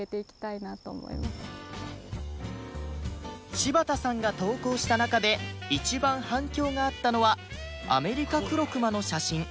柴田さんが投稿した中で一番反響があったのはアメリカクロクマの写真